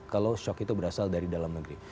kalau shock itu berasal dari dalam negeri